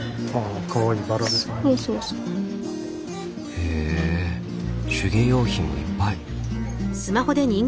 へえ手芸用品がいっぱい。